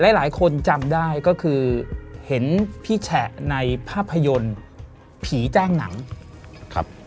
หลายคนจำได้ก็คือเห็นพี่แฉะในภาพยนตร์ผีแจ้งหนังครับ